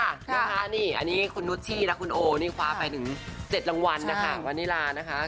อันนี้คุณนุชชี่และคุณโอ้คว้าไปถึง๗รางวัลมะนีลานะคะ